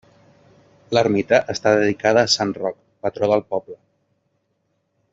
L'ermita està dedicada a Sant Roc, patró del poble.